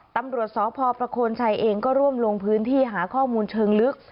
ตำรวจสพประโคนชัยเองก็ร่วมลงพื้นที่หาข้อมูลเชิงลึก